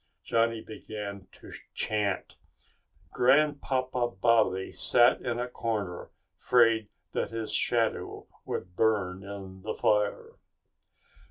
Johnny began to chant, "Grandpapa Baba sat in a corner, 'fraid that his shadow would burn in the fire."